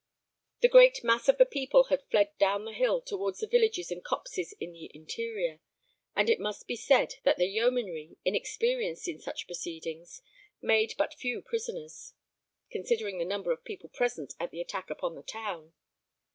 The great mass of the people had fled down the hill towards the villages and copses in the interior; and it must be said that the yeomanry, inexperienced in such proceedings, made but few prisoners, considering the number of people present at the attack upon the town.